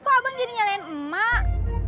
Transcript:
kok abang jadi nyalain emak